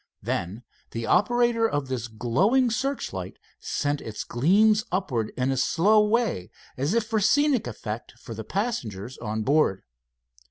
Then the operator of this glowing searchlight sent its gleams upwards in a slow way, as if for scenic effect for the passengers on board.